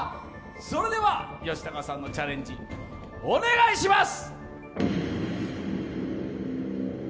それでは吉高さんのチャレンジ、お願いします。